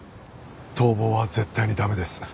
逃亡は絶対に駄目です。